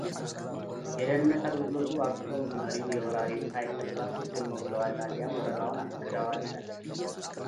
የደኅንነት አገልግሎቱ አክሎ መሪው የወራሪውን ኃይል ተግባር ትክክል ነው ብለዋል አሊያም ወረራውን ክደዋል ይላል።